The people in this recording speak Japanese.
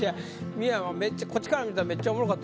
三山こっちから見たらめっちゃおもろかった。